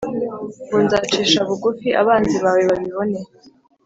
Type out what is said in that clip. Ngo Nzacisha bugufi abanzi bawe babibone